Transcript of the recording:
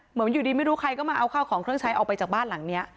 เหมือนอยู่ดีไม่รู้ใครก็มาเอาข้าวของเครื่องใช้ออกไปจากบ้านหลังนี้